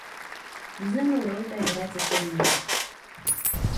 Významnou roli též hraje cestovní ruch.